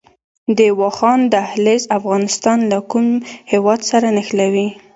د واخان دهلیز افغانستان له کوم هیواد سره نښلوي؟